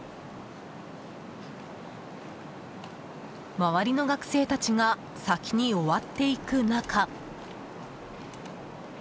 周りの学生たちが先に終わっていく中